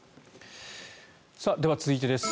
では、続いてです。